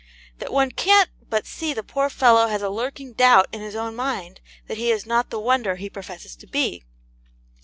that one can't but see the poor fellow has a lurking doubt in his own mind that he is not the wonder he professes to be.